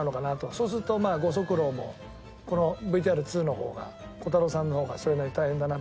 そうするとまあご足労もこのＶＴＲ２の方がこたろうさんの方がそれなりに大変だなって。